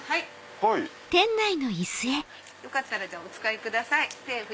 よかったらお使いください。